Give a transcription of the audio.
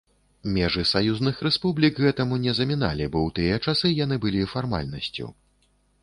Межы саюзных рэспублік гэтаму не заміналі, бо ў тыя часы яны былі фармальнасцю.